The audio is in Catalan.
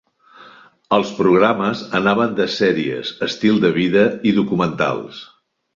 Els programes anaven de sèries, estil de vida i documentals.